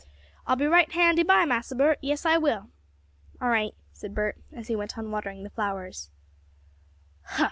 "I'll be right handy by, Massa Bert, yes, I will!" "All right," said Bert, as he went on watering the flowers.